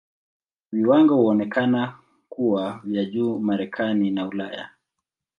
Viwango huonekana kuwa vya juu Marekani na Ulaya.